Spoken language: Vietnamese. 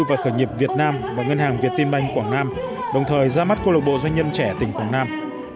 và khởi nghiệp việt nam và ngân hàng việt tim banh quảng nam đồng thời ra mắt công lực bộ doanh nhân trẻ tỉnh quảng nam